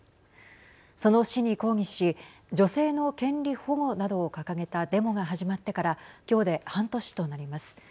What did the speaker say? その死に抗議し女性の権利保護などを掲げたデモが始まってから今日で半年となります。